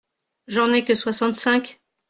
J’en ai que soixante-cinq.